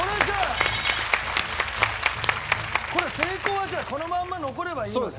これ成功はじゃあこのまんま残ればいいのね？